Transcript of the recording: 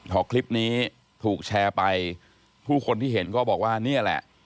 พอคลิปนี้ถูกแชร์ไปผู้คนที่เห็นก็บอกว่านี่แหละ